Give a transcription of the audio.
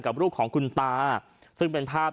กับรูปของคุณตาซึ่งเป็นภาพ